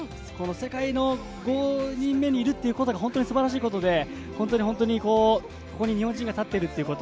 世界の５人目にいるということは素晴らしいことで、ここに日本人が立っているということ。